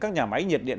các nhà máy nhiệt điện